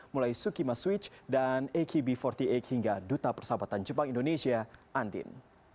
mulai sukima switch dan akb empat puluh delapan hingga duta persahabatan jepang indonesia andin